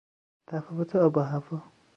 تفاوت آب و هوا